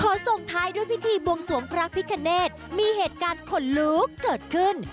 ส่งท้ายด้วยพิธีบวงสวงพระพิคเนธมีเหตุการณ์ขนลุกเกิดขึ้น